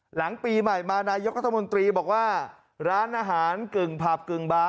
หลังปีใหม่มานายกรัฐมนตรีบอกว่าร้านอาหารกึ่งผับกึ่งบาร์